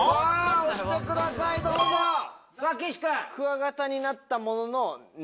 押してくださいどうぞ！ピンポン